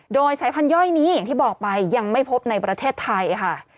โดยสายพันธย่อยนี้อย่างที่บอกไปยังไม่พบในประเทศไทยค่ะ